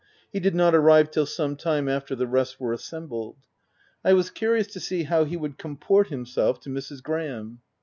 He did not arrive till some time after the rest were assembled. I was curious to see how he would comport him self to Mrs. Graham.